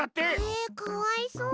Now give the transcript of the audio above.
えかわいそう。